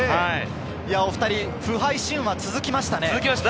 お２人の不敗神話が続きましたね。